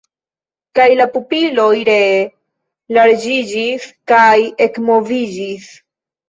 Kaj la pupiloj ree larĝiĝis kaj ekmoviĝis.